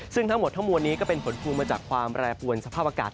ซึ่งทั้งหมดทั้งมวลนี้ก็เป็นผลพวงมาจากความแปรปวนสภาพอากาศ